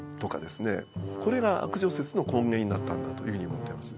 これが悪女説の根源になったんだというふうに思ってます。